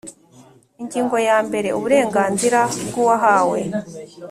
Ingingo yambere Uburenganzira bw uwahawe